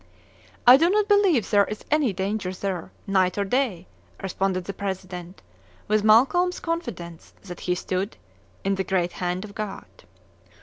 "I do not believe there is any danger there, night or day!" responded the President, with Malcolm's confidence that he stood "in the great hand of God."